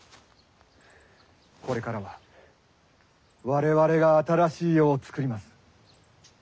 これからは我々が新しい世を作ります。